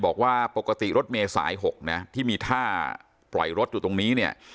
บอกว่าปกติรถเมษาย๖นะที่มีท่าปล่อยรถอยู่ตรงนี้เนี่ย